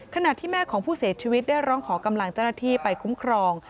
ขณะที่แม่ของผู้เสียชีวิตได้ร้องขอกำลังเจ้าหน้าที่ไปคุ้มครอง